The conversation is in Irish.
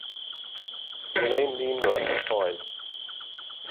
Níl aon líonra ar fáil